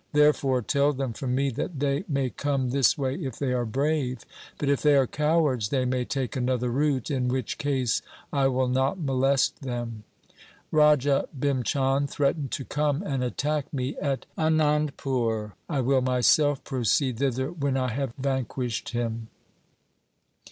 Therefore tell them from me that they may come this way if they are brave ; but, if they are cowards, they may take another route, in which case I will not molest them. Raja Bhim Chand threatened to come and attack me at Anandpur. I will myself proceed thither when I have vanquished him.'